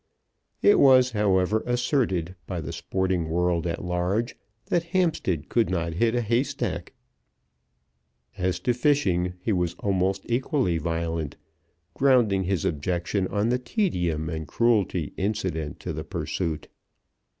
It was, however, asserted by the sporting world at large that Hampstead could not hit a haystack. As to fishing, he was almost equally violent, grounding his objection on the tedium and cruelty incident to the pursuit.